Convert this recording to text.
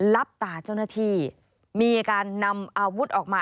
รับตาเจ้าหน้าที่มีการนำอาวุธออกมา